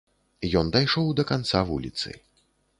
Ён дайшоў да канца вуліцы.